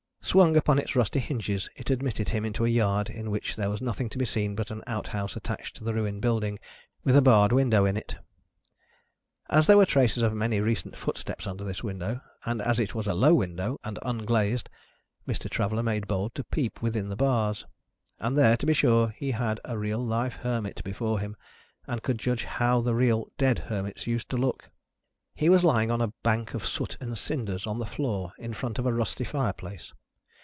Swung upon its rusty hinges, it admitted him into a yard in which there was nothing to be seen but an outhouse attached to the ruined building, with a barred window in it. As there were traces of many recent footsteps under this window, and as it was a low window, and unglazed, Mr. Traveller made bold to peep within the bars. And there to be sure he had a real live Hermit before him, and could judge how the real dead Hermits used to look. He was lying on a bank of soot and cinders, on the floor, in front of a rusty fireplace.